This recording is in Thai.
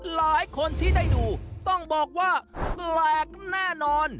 หลายคนที่ได้ดูต้องบอกว่าแปลกแน่นอน